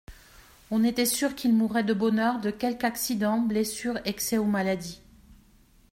On était sûr qu'il mourrait de bonne heure de quelque accident, blessure, excès ou maladie.